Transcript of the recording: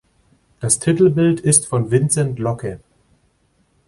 Das Titelbild ist von Vincent Locke.